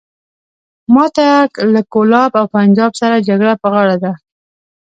ماته له کولاب او پنجاب سره جګړه په غاړه ده.